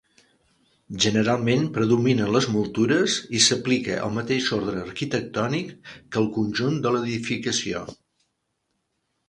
Generalment predominen les moltures i s'aplica el mateix ordre arquitectònic que al conjunt de l'edificació.